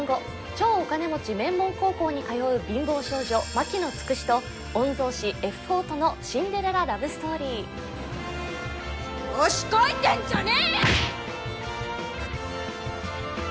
超お金持ち名門高校に通う貧乏少女・牧野つくしと御曹司・Ｆ４とのシンデレララブストーリー調子こいてんじゃねえよ！